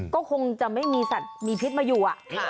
ก็คงจะไม่มีพิษมาอยู่